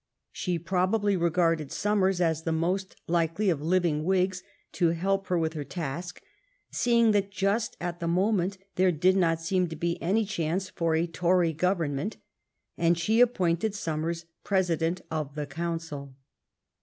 She probably regarded Somers as the most likely of living Whigs to help her with her task, see ing that just at the moment there did not seem to be any chance for a Tory government, and she appointed Somers President of the Council.